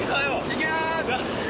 いきます！